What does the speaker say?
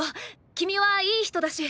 君はいい人だし。